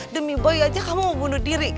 demi boy aja kamu bunuh diri